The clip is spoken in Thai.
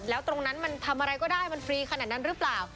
แล้วตรงนั้นมันทำอะไรก็ได้มันฟรีขนาดนั้นหรือเปล่า